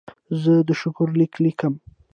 زه د شکر لیک لیکم.